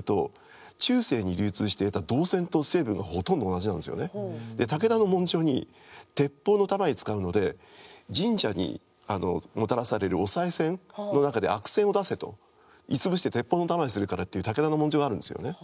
全てそれに対してで武田の文書に「鉄砲の弾に使うので神社にもたらされるおさい銭の中で悪銭を出せ」と鋳潰して鉄砲の弾にするからという武田の文書があるんですよね。